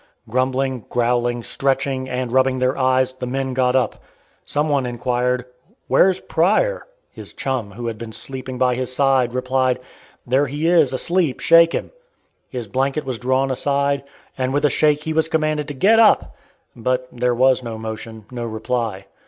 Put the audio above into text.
Grumbling, growling, stretching, and rubbing their eyes, the men got up. Some one inquired, "Where's Pryor?" His chum, who had been sleeping by his side, replied, "there he is, asleep; shake him." His blanket was drawn aside, and with a shake he was commanded to "get up!" But there was no motion, no reply.